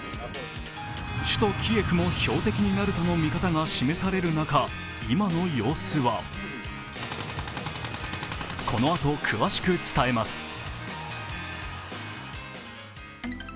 首都キエフも標的になるとの見方が示される中、今の様子はこのあと、詳しく伝えます。